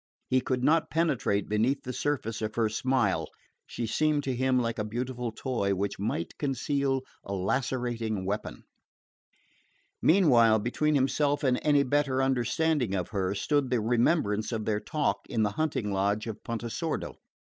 He could not penetrate beneath the surface of her smile: she seemed to him like a beautiful toy which might conceal a lacerating weapon. Meanwhile between himself and any better understanding of her stood the remembrance of their talk in the hunting lodge of Pontesordo.